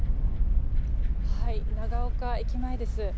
長岡駅前です。